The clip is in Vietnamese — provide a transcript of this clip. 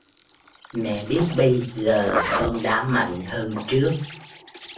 Mẹ biết bây giờ con đã mạnh hơn trước